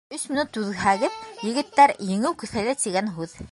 Өс минут түҙһәгеҙ, егеттәр, еңеү кеҫәлә, тигән һүҙ.